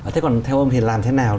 thế còn theo ông thì làm thế nào